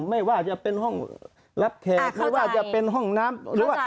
ไม่ว่าจะเป็นห้องรับแทกไม่ว่าจะเป็นห้องน้ำ